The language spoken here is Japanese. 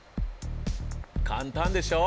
簡単でしょ？